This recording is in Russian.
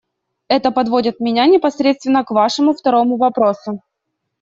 Это подводит меня непосредственно к Вашему второму вопросу.